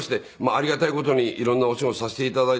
ありがたい事に色んなお仕事をさせて頂いて。